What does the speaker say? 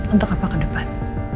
untuk apa ke depan